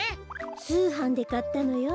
つうはんでかったのよ。